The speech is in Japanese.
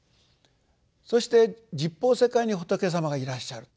そして十方世界に仏様がいらっしゃる。